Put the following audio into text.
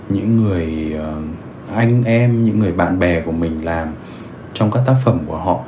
những người anh em những người bạn bè của mình làm trong các tác phẩm của họ